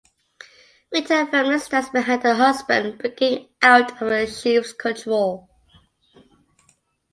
Rita firmly stands behind her husband, breaking out of the Chief's control.